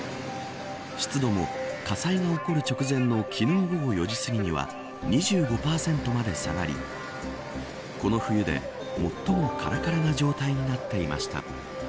湿度も火災が起こる直前の昨日、午後４時すぎには２５％まで下がりこの冬で、最もからからの状態になっていました。